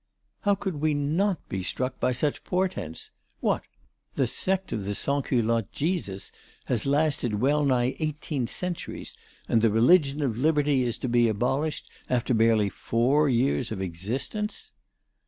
How could we not be struck by such portents?... What! the sect of the sansculotte Jesus has lasted well nigh eighteen centuries, and the religion of Liberty is to be abolished after barely four years of existence!"